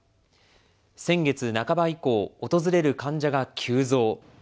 先月半ば以降、訪れる患者が急増。